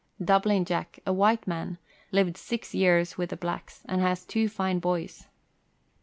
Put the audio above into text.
Dublin Jack, a white man, lived six years with the blacks, and has two fine boys.